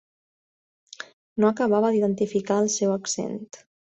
No acabava d'identificar el seu accent.